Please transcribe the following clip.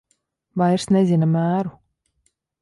Vairs nezina mēru.